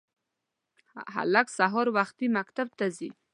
هلک سهار وختي مکتب ته ځي